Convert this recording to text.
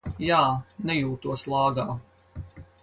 Jā, nejūtos lāgā.